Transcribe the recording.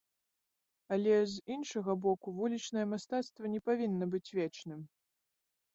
Але з іншага боку, вулічнае мастацтва не павінна быць вечным.